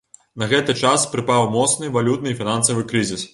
На гэты час прыпаў моцны валютны і фінансавы крызіс.